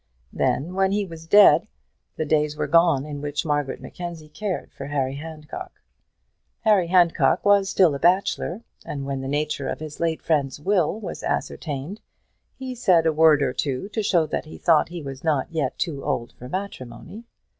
Then, when he was dead, the days were gone in which Margaret Mackenzie cared for Harry Handcock. Harry Handcock was still a bachelor, and when the nature of his late friend's will was ascertained, he said a word or two to show that he thought he was not yet too old for matrimony.